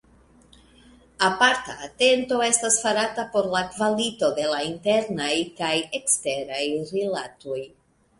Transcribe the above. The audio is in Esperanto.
Aparta atento estas farata por la kvalito de la internaj kaj eksteraj rilatoj.